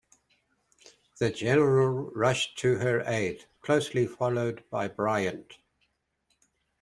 The general rushed to her aid, closely followed by Briant.